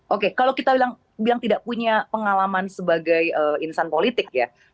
oke kalau kita bilang tidak punya pengalaman sebagai insan politik ya